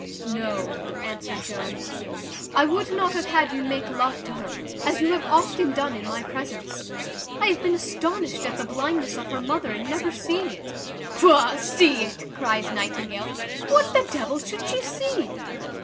"No," answered Jones, "I would not have had you make love to her, as you have often done in my presence. I have been astonished at the blindness of her mother in never seeing it." "Pugh, see it!" cries Nightingale. "What, the devil should she see?"